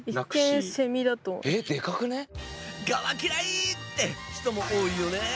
「ガは嫌い！」って人も多いよね。